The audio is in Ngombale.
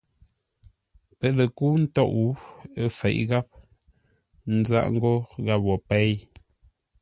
Pə́ lə kə́u ntôʼ, ə́ fěʼ gháp, ə́ nzáʼ ngó gháp wo péi.